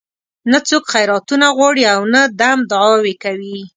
نه څوک خیراتونه غواړي او نه دم دعاوې کوي.